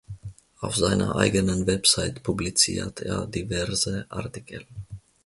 Auf seiner eigenen Website publiziert er diverse Artikel.